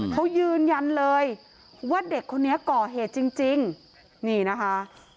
เขายืนยันเลยว่าเด็กคนนี้ก่อเหตุจริงนี่นะคะ